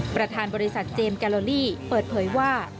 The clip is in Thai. ประธานบริษัทเจมสแกโลลี่เปิดเผยว่า